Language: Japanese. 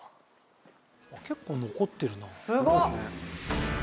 「結構残ってるな」